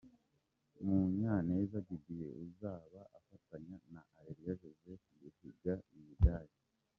Munyaneza Didier uzaba afatanya na Areruya Joseph guhiga imidali .